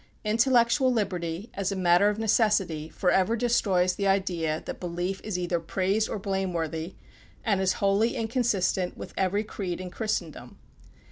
Intellectual liberty, as a matter of necessity, forever destroys the idea that belief is either praise or blame worthy, and is wholly inconsistent with every creed in Christendom.